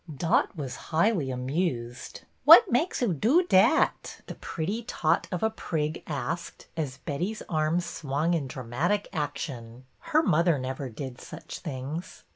'' Dot was highly amused. Wat makes 00 do dat? " the pretty tot of a prig asked, as Betty's arms swung in dramatic action. Her mother never did such things.